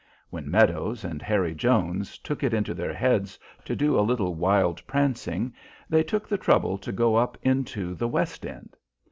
When Meadows and Harry Jones took it into their heads to do a little wild prancing they took the trouble to go up into the West end.